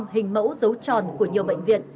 năm mươi năm hình mẫu dấu tròn của nhiều bệnh viện